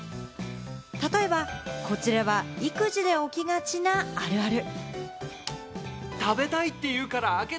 例えばこちらは育児で起きがちなあるある。